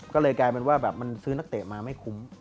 ก็เลยกลายเป็นว่าแบบมันซื้อนักเตะมาไม่คุ้ม